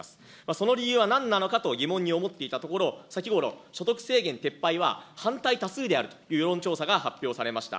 その理由はなんなのかと疑問に思っていたところ、先ごろ、所得制限撤廃は反対多数であるという世論調査が発表されました。